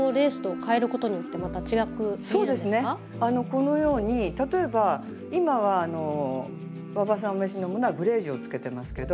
このように例えば今は馬場さんお召しのものはグレージュをつけてますけど。